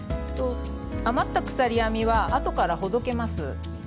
余った鎖編みはあとからほどけます。